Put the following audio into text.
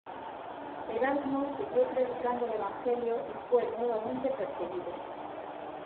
Erasmo siguió predicando el Evangelio y fue, nuevamente, perseguido.